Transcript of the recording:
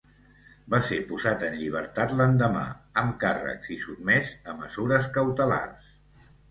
Va ser posat en llibertat l'endemà, amb càrrecs i sotmès a mesures cautelars.